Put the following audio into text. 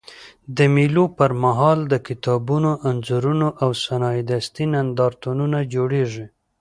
د مېلو پر مهال د کتابونو، انځورونو او صنایع دستي نندارتونونه جوړېږي.